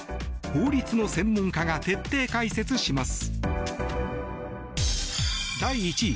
法律の専門家が徹底解説します。